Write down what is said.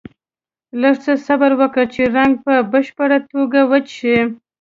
لږ څه صبر وکړئ چې رنګ په بشپړه توګه وچ شي.